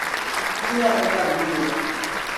Ti nyari li ka di be yoma.